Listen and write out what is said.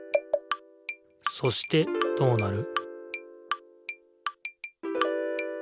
そしてどうなる？